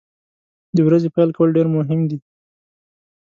د ورځې پیل کول ډیر مهم دي.